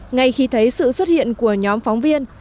ngay khi thấy sự xuất hiện của nhóm phóng viên